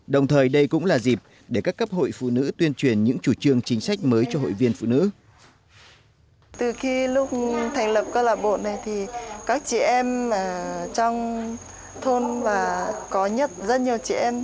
đồng thời đây cũng là dịp để các cấp hội phụ nữ tuyên truyền những chủ trương chính sách mới cho hội viên phụ nữ